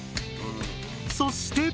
そして。